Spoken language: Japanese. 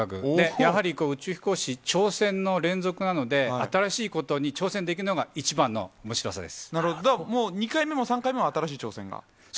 やはり宇宙飛行士、挑戦の連続なので、新しいことに挑戦できるのが一番のおもしろさです。